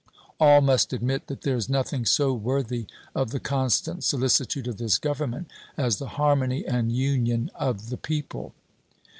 All must admit that there is nothing so worthy of the constant solicitude of this Government as the harmony and union of the people.